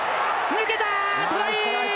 抜けた、トライ。